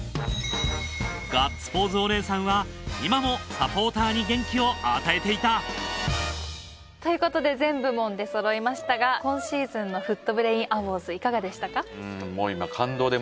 ガッツポーズお姉さんは今もサポーターに元気を与えていたということで全部門出そろいましたが今シーズンのＦＯＯＴ×ＢＲＡＩＮＡＷＡＲＤＳいかがでしたか？